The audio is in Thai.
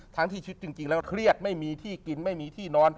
ทั้งที่ชีวิตจริงแล้วเครียดไม่มีที่กินไม่มีที่นอน